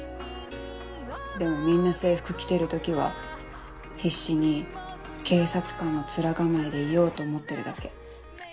でもみんな制服着てる時は必死に警察官の面構えでいようと思ってるだけ。